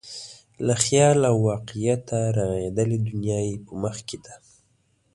له خیال او واقعیته رغېدلې دنیا یې په مخ کې ده.